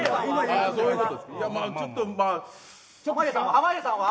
濱家さんは。